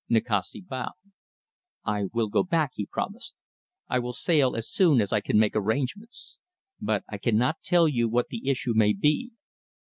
Nikasti bowed. "I will go back," he promised. "I will sail as soon as I can make arrangements. But I cannot tell you what the issue may be.